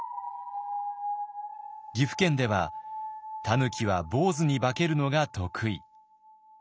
岐阜県では狸は坊主に化けるのが得意。